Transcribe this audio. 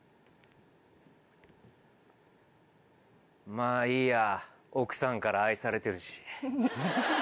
・まぁいいや奥さんから愛されてるし。